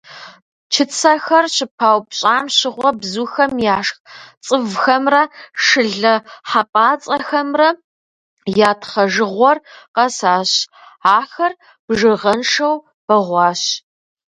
Чыцэхэр щыпаупщӏам щыгъуэ бзухэм яшх цӏывхэмрэ шылэ хьэпӏацӏэхэмрэ я тхъэжыгъуэр къэсащ, ахэр бжыгъэншэу бэгъуащ.